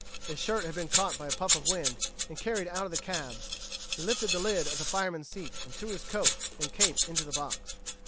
His shirt had been caught by a puff of wind and carried out of the cab. He lifted the lid of the fireman's seat and threw his coat and cape into the box.